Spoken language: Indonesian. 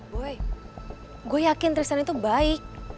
boy gue yakin trison itu baik